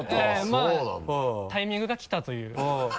まぁタイミングが来たという。